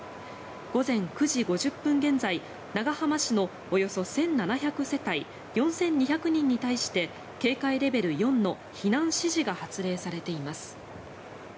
午前９時５０分現在長浜市のおよそ１７００世帯４２００人に対して警戒レベル４の避難指示が発令されています。